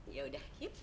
ya udah yuk